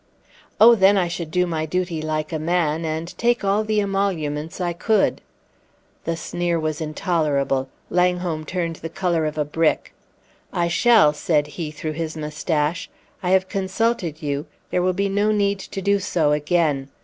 "Oh, then I should do my duty like a man and take all the emoluments I could." The sneer was intolerable. Langholm turned the color of brick. "I shall!" said he through his mustache. "I have consulted you; there will be no need to do so again.